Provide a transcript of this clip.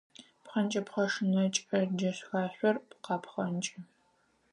Пхъэнкӏыпхъэ шынэкӏэ джэхашъор къапхъэнкӏы.